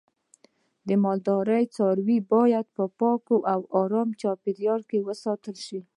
د مالدارۍ څاروی باید په پاکه او آرامه چاپیریال کې وساتل شي.